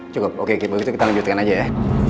cukup oke begitu kita lanjutkan aja ya